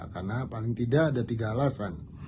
karena paling tidak ada tiga alasan